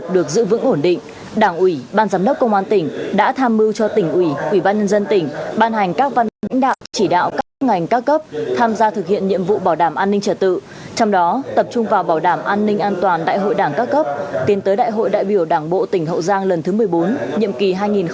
được giữ vững ổn định đảng ủy ban giám đốc công an tỉnh đã tham mưu cho tỉnh ủy ủy ban nhân dân tỉnh ban hành các văn lãnh đạo chỉ đạo các ngành các cấp tham gia thực hiện nhiệm vụ bảo đảm an ninh trật tự trong đó tập trung vào bảo đảm an ninh an toàn đại hội đảng các cấp tiến tới đại hội đại biểu đảng bộ tỉnh hậu giang lần thứ một mươi bốn nhiệm kỳ hai nghìn hai mươi hai nghìn hai mươi năm